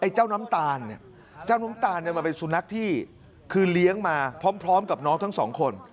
เจ้าน้ำตาลมาไปสู่นักที่คือเลี้ยงมาพร้อมกับน้องทั้งสองคน